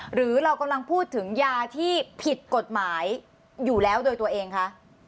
หรือเรากำลังพูดถึงยาที่ผิดกฎหมายอยู่แล้วโดยตัวเองคะ